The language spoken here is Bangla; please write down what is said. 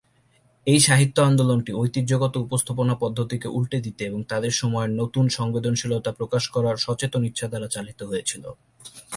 এই সাহিত্য আন্দোলনটি ঐতিহ্যগত উপস্থাপনা পদ্ধতিকে উল্টে দিতে এবং তাদের সময়ের নতুন সংবেদনশীলতা প্রকাশ করার সচেতন ইচ্ছা দ্বারা চালিত হয়েছিল।